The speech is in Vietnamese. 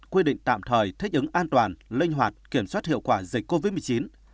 quy định tạm thời thích ứng an toàn linh hoạt kiểm soát hiệu quả dịch covid một mươi chín